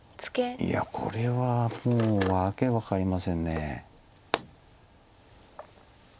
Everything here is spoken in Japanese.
いやこれはもう訳分かりません。